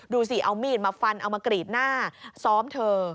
ดูสิเอามีดมาฟันเอามากรีดหน้าซ้อมเธอ